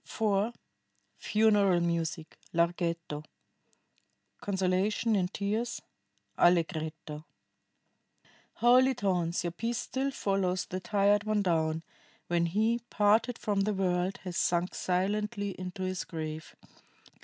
[IV. FUNERAL MUSIC: Larghetto. CONSOLATION IN TEARS: Allegretto] "Holy tones, your peace still follows the tired one down, when he, parted from the world, has sunk silently into his grave.